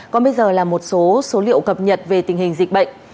còn bây giờ là một số số liệu cập nhật về tình hình dịch bệnh